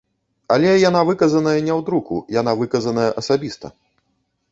Але яна выказаная не ў друку, яна выказаная асабіста.